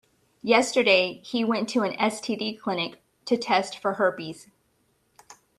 Yesterday, he went to an STD clinic to test for herpes.